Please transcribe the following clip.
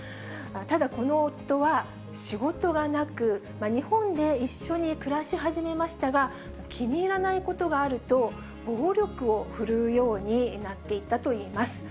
ただ、この夫は仕事はなく、日本で一緒に暮らし始めましたが、気に入らないことがあると暴力を振るうようになっていったといいます。